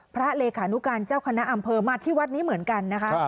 เลขานุการเจ้าคณะอำเภอมาที่วัดนี้เหมือนกันนะคะ